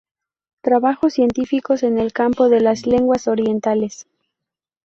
Trabajos científicos en el campo de las lenguas orientales.